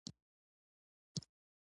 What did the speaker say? د چلوونکي مهارت موټر ته ګټه لري.